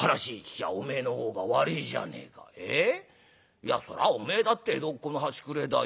いやそりゃお前だって江戸っ子の端くれだよ。